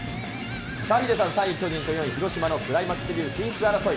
さあ、ヒデさん、３位巨人と４位広島のクライマックスシリーズ進出争い。